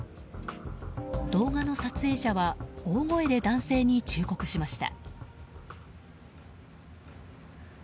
動画の撮影者は大声で男性に忠告しました。